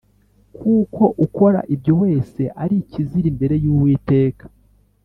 Kuko ukora ibyo wese ari ikizira imbere y’Uwiteka